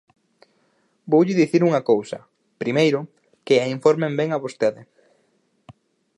Voulle dicir unha cousa, primeiro, que a informen ben a vostede.